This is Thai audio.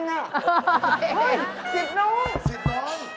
เฮ่ยสิทธิ์น้อง